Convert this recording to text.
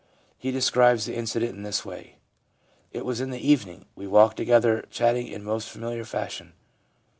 He describes the incident in this way: 1 It was in the evening. We walked together chatting in most familiar fashion.